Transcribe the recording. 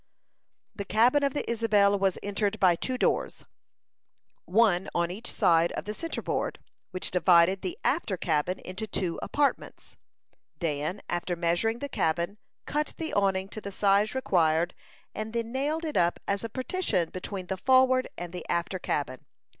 The cabin of the Isabel was entered by two doors, one on each side of the centre board, which divided the after cabin into two apartments. Dan, after measuring the cabin, cut the awning to the size required, and then nailed it up as a partition between the forward and the after cabin.